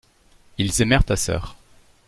Ils aimèrent ta sœur.